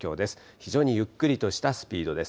非常にゆっくりとしたスピードです。